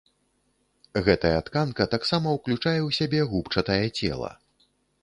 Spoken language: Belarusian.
Гэтая тканка таксама ўключае ў сябе губчатае цела.